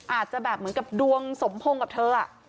อาจจะแบบเหมือนกับดวงสมพงษ์กับเธอ